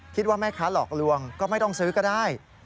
คิดว่าแม่ค้าหลอกลวงก็ไม่ต้องซื้อก็ได้